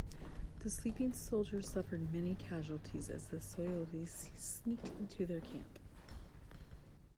The sleeping soldiers suffered many casualties as the Souliotes sneaked into their camp.